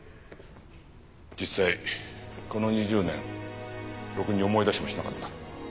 実際この２０年ろくに思い出しもしなかった。